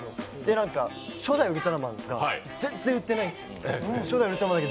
初代ウルトラマンが全然売ってないんですよ。